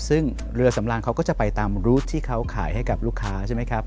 ซึ่งเรือสำรางเขาก็จะไปตามรูดที่เขาขายให้กับลูกค้าใช่ไหมครับ